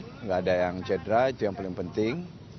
tidak ada yang cedera itu yang paling penting